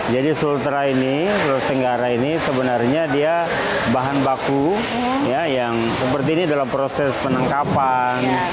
jadi sulawesi tenggara ini sebenarnya dia bahan baku yang seperti ini dalam proses penangkapan